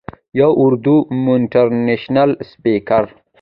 يو اردو دان موټيوېشنل سپيکر